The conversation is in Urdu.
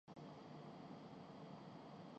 تجویزکردہ معاہدے کو مسترد کرنے کے لیے